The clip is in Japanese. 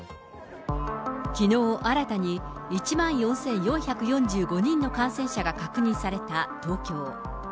きのう、新たに１万４４４５人の感染者が確認された東京。